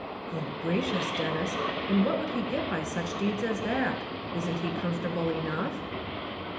"Good gracious, Denis! and what would he get by such deeds as that? Isn't he comfortable enough."